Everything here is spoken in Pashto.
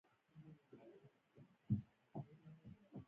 ما د لارښود استاد پوهنمل دولت خان جوهر تر لارښوونې لاندې کار وکړ